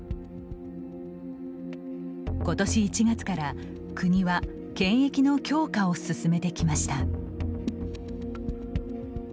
ことし１月から、国は検疫の強化を進めてきました。